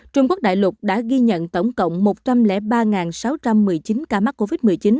trung quốc đại lục đã ghi nhận tổng cộng một trăm linh ba sáu trăm một mươi chín ca mắc covid một mươi chín